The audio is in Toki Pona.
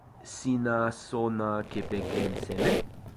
sina sona kepeken seme?